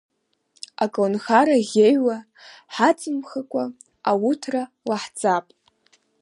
Аколнхара ӷьеҩла ҳаҵамхакәа, ауҭра лаҳҵап.